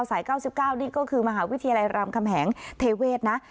สายเก้าสิบเก้านี่ก็คือมหาวิทยาลัยรามคำแหงเทเวศนะ